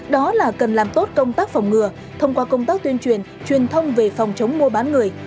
đó là cần làm tốt công tác phòng ngừa thông qua công tác tuyên truyền truyền thông về phòng chống mua bán người